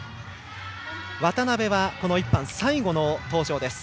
渡部は１班最後の登場です。